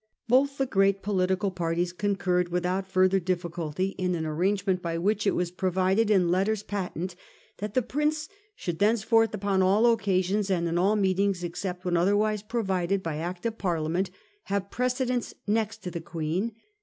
Both the great political parties con curred without further difficulty in an arrangement 150 A HISTORY OF OUR OWN TIMES. CH.vn. by which it was provided in letters patent that the Prince should thenceforth upon all occasions, and in all meetings, except when otherwise provided by Act of Parliament, have precedence next to the Queen.